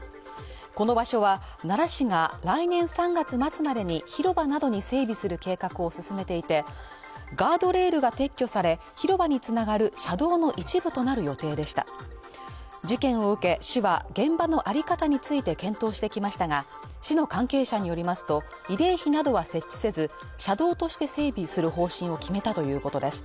この場所は奈良市が来年３月末までに広場などに整備する計画を進めていてガードレールが撤去され広場につながる車道の一部となる予定でした事件を受け市は現場のあり方について検討してきましたが市の関係者によりますと慰霊碑などは設置せず車道として整備する方針を決めたということです